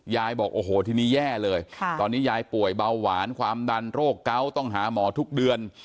บอกโอ้โหทีนี้แย่เลยตอนนี้ยายป่วยเบาหวานความดันโรคเกาะต้องหาหมอทุกเดือน